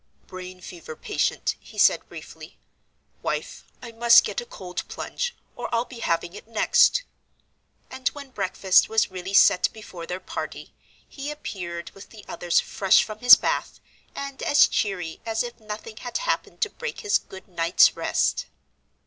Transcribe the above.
"Brain fever patient," he said briefly. "Wife, I must get a cold plunge, or I'll be having it next." And when breakfast was really set before their party, he appeared with the others fresh from his bath, and as cheery as if nothing had happened to break his good night's rest.